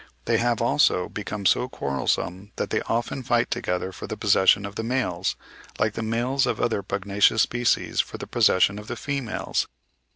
They have, also, become so quarrelsome that they often fight together for the possession of the males, like the males of other pugnacious species for the possession of the females.